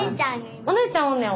お姉ちゃんおんねや。